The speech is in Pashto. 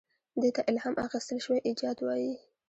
دې ته الهام اخیستل شوی ایجاد وایي.